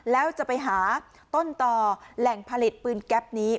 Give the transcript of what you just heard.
แล้วจะไปหาต้นต่อแหล่งผลิตปืนแก๊ปนี้